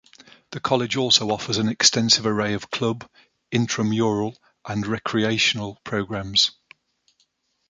The college also offers an extensive array of club, intramural, and recreational programs.